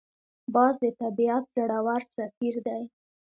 باز د طبیعت زړور سفیر دی